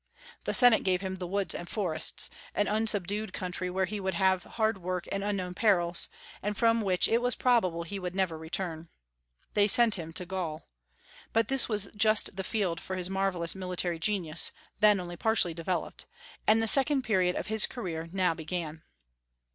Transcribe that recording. The Senate gave him the "woods and forests," an unsubdued country, where he would have hard work and unknown perils, and from which it was probable he would never return. They sent him to Gaul. But this was just the field for his marvellous military genius, then only partially developed; and the second period of his career now began.